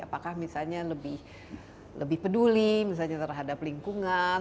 apakah misalnya lebih peduli misalnya terhadap lingkungan